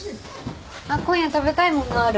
あっ今夜食べたいものある？